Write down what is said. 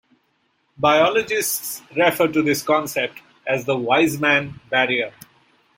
Biologists refer to this concept as the Weismann barrier.